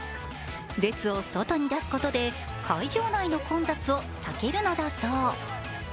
列を外に出すことで会場内の混雑を避けるのだそう。